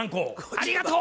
ありがとう！